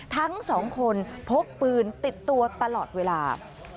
ทั้งสองคนพกปืนติดตัวตลอดเวลา